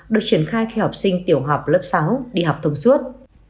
được triển khai khi học sinh tiểu học lớp sáu đi học thông suốt